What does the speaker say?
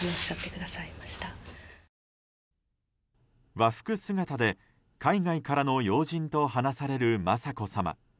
和服姿で海外からの要人と話される雅子さま。